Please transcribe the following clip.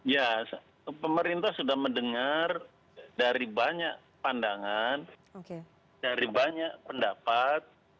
ya pemerintah sudah mendengar dari banyak pandangan dari banyak pendapat